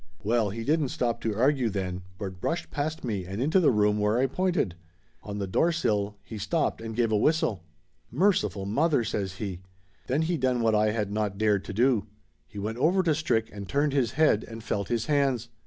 Well, he didn't stop to argue then, but brushed past me and into the room where I pointed. On the door sill he stopped and give a whistle. "Merciful Mother!" says he. Then he done what Laughter Limited 305 I had not dared to do. He went over to Strick and turned his head and felt his hands.